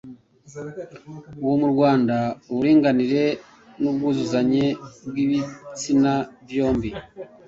Ubu mu Rwanda uburinganire n’ubwuzuzanye bw’ibitsina byombi,